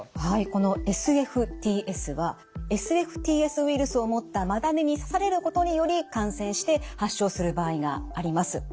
このＳＦＴＳはＳＦＴＳウイルスを持ったマダニに刺されることにより感染して発症する場合があります。